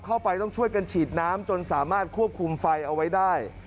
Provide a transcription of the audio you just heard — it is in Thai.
เข้าไปต้องช่วยกันฉีดน้ำจนสามารถควบคุมไฟเอาไว้ได้